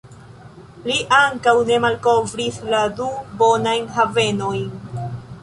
Li ankaŭ ne malkovris la du bonajn havenojn.